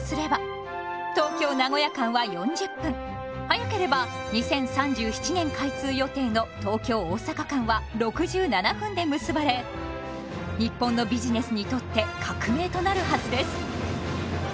早ければ２０３７年開通予定の東京・大阪間は６７分で結ばれ日本のビジネスにとって革命となるはずです。